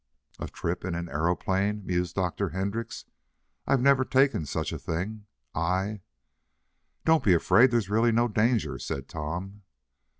"A trip in an aeroplane," mused Dr. Hendrix "I've never taken such a thing. I " "Don't be afraid, there's really no danger," said Tom.